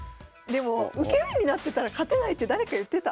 でも受け身になってたら勝てないって誰か言ってた。